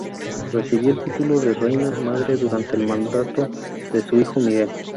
Recibió el título de reina madre durante el mandato de su hijo Miguel.